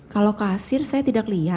kalau kasir saya tidak lihat